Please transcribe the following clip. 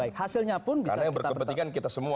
karena yang berkepentingan kita semua